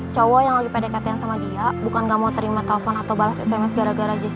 cowok yang lagi pedekatan sama dia bukan gak mau terima telepon atau balas sms gara gara jessi